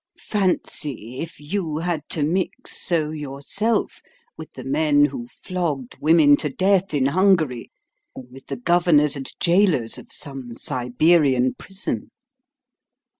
Fancy if you had to mix so yourself with the men who flogged women to death in Hungary, or with the governors and jailors of some Siberian prison!